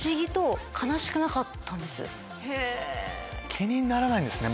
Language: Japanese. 気にならないんですね